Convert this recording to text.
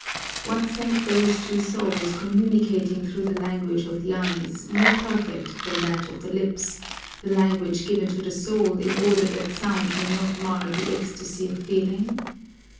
What said those two souls communicating through the language of the eyes, more perfect than that of the lips, the language given to the soul in order that sound may not mar the ecstasy of feeling?